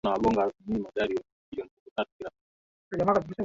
Akavinyakua haraka na kubana nyuma ya mlango